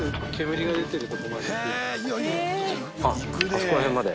あそこら辺まで。